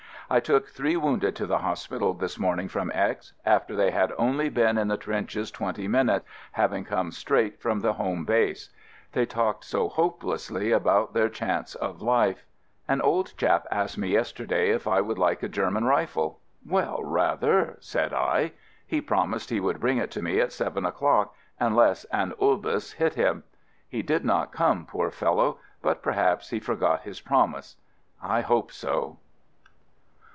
I took three wounded to the hospital this morning from X after they had only been in the trenches twenty minutes, having come straight from the Home Base. They talked so hopelessly about their chance of life. An old chap asked me yesterday if I would like a German rifle. "Well, rather," said I. He promised he would bring it to me at seven o'clock, unless an "obus" hit him. He did not come, poor fellow, but perhaps he forgot his promise. I hope so.